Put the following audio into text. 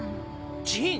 ジン！